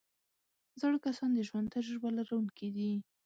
زاړه کسان د ژوند تجربه لرونکي دي